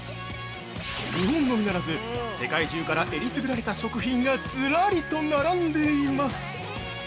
日本のみならず、世界中からえりすぐられた食品がずらりと並んでいます。